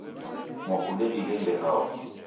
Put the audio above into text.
Mwakunde dighende hao?